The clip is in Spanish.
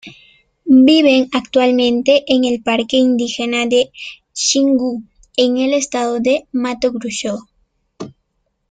Viven actualmente en el Parque Indígena de Xingu, en el Estado de Mato Grosso.